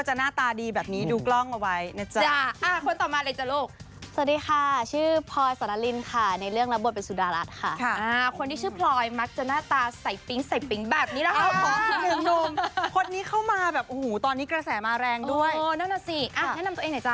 เชอรี่ถ้าชื่อเชอรี่ก็จะหน้าตาดีแบบนี้ดูกล้องเอาไว้ใช่จ้ะ